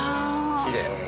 きれい。